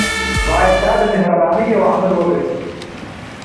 باید دا د مهربانۍ یو عمل وګڼي.